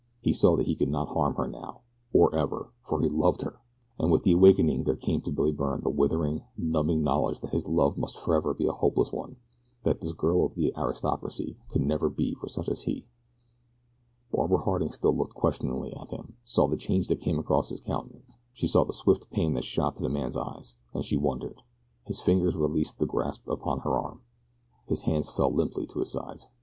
He saw that he could not harm her now, or ever, for he loved her! And with the awakening there came to Billy Byrne the withering, numbing knowledge that his love must forever be a hopeless one that this girl of the aristocracy could never be for such as he. Barbara Harding, still looking questioningly at him, saw the change that came across his countenance she saw the swift pain that shot to the man's eyes, and she wondered. His fingers released their grasp upon her arm. His hands fell limply to his sides.